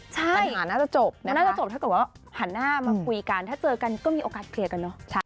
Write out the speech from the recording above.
ปัญหาน่าจะจบน่าจะจบถ้าเกิดว่าหันหน้ามาคุยกันถ้าเจอกันก็มีโอกาสเคลียร์กันเนอะ